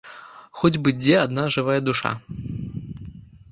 Хоць бы дзе адна жывая душа!